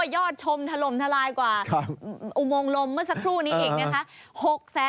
ยอดชมถล่มทลายกว่าอุโมงลมเมื่อสักครู่นี้อีกนะคะ